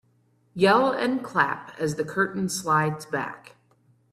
Yell and clap as the curtain slides back.